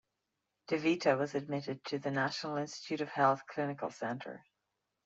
DeVita was admitted to the National Institute of Health Clinical Center.